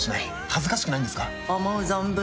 恥ずかしくないんですか？